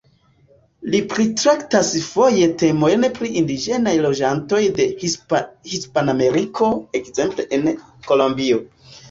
Li pritraktas foje temojn pri indiĝenaj loĝantoj de Hispanameriko, ekzemple el Kolombio.